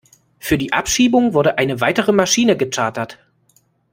Für die Abschiebung wurde eine weitere Maschine gechartert.